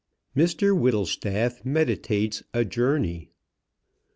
MR WHITTLESTAFF MEDITATES A JOURNEY.